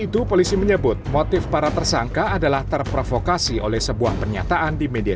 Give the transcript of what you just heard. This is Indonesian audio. itu polisi menyebut motif para tersangka adalah terprovokasi oleh sebuah pernyataan di media